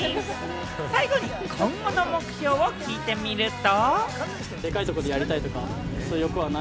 最後に今後の目標を聞いてみると。